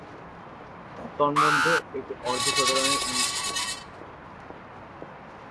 তন্মধ্যে, একটি অর্ধ-শতরানের ইনিংস ছিল।